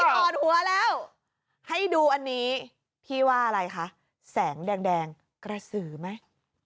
ถอดหัวแล้วให้ดูอันนี้พี่ว่าอะไรคะแสงแดงกระสือไหม